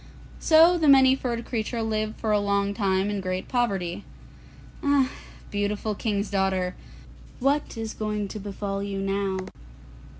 So the Many furred Creature lived for a long time in great poverty. Ah, beautiful King's daughter, what is going to befall you now?